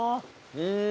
うん。